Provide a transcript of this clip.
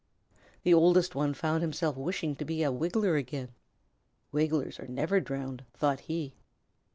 The oldest one found himself wishing to be a Wiggler again. "Wigglers are never drowned," thought he.